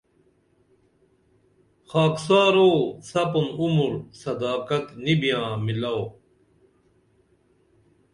خاکسارو سپُں عمر صداقت نی بیاں مِلو